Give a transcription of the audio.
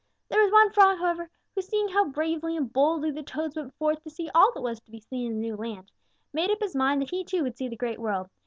There was one Frog, however, who, seeing how bravely and boldly the Toads went forth to see all that was to be seen in the new land, made up his mind that he too would see the Great World.